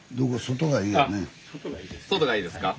外がいいですか。